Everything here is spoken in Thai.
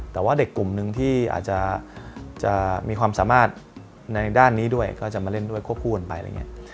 แต่ว่าเด็กกลุ่มนึงที่อาจจะมีความสามารถในด้านนี้ด้วยก็จะมาเล่นด้วยควบคู่กันไปอะไรอย่างนี้